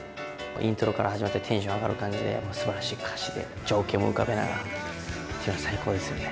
イントロから始まってテンション上がる感じで、すばらしい歌詞で、情景も浮かべながら最高ですよね。